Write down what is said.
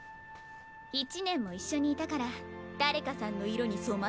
１年も一緒にいたから誰かさんの色に染まっちゃったのかな？